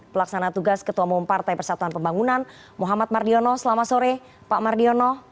pelaksana tugas ketua umum partai persatuan pembangunan muhammad mardiono selamat sore pak mardiono